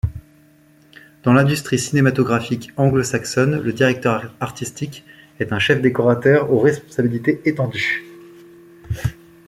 Dans l'industrie cinématographique anglo-saxonne, le directeur artistique est un chef décorateur aux responsabilités étendues.